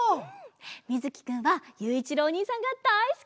みずきくんはゆういちろうおにいさんがだいすきなんだって！